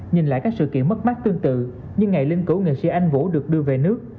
như ngày linh cổ nghệ sĩ anh vũ được đưa về nước